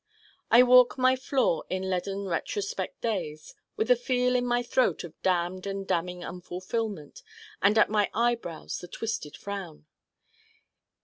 I walk my floor in leaden retrospect days with a feel in my throat of damned and damning unfulfillment and at my eyebrows the twisted frown.